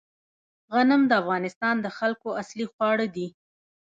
غنم د افغانستان د خلکو اصلي خواړه دي